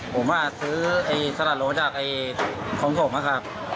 ผมซื้อสลัดโหลจากของผมนะครับ